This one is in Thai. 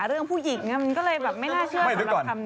เรื่องผู้หญิงน่ะมันก็เลยแบบไม่น่าเชื่อ